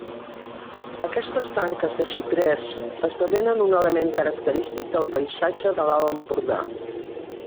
Aquestes tanques de xiprers esdevenen un element característic del paisatge de l'Alt Empordà.